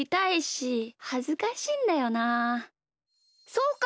そうか！